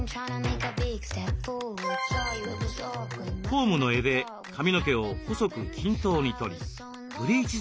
コームの柄で髪の毛を細く均等に取りブリーチ